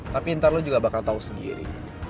tapi ntar lu juga bakal tahu sendiri